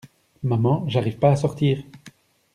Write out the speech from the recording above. Maman j'arrive pas à sortir!